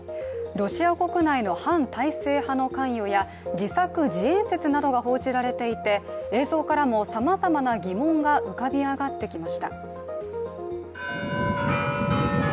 ロシア国内の反体制派の関与や自作自演説なども報じられていて、映像からもさまざまな疑問が浮かび上がってきました。